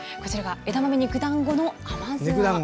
枝豆肉だんごの甘酢あん。